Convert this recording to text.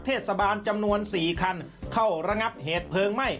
ส่วนใครจะเป็นคนทำไม่ต้องเสือบ